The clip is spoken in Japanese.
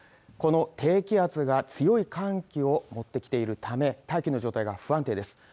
この低気圧が強い寒気を持ってきているため大気の状態が不安定です